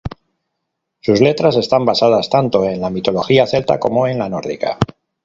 Sus letras están basadas tanto en la mitología celta como en la nórdica.